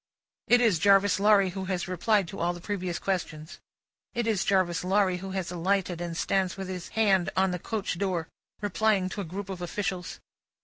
It is Jarvis Lorry who has replied to all the previous questions. It is Jarvis Lorry who has alighted and stands with his hand on the coach door, replying to a group of officials.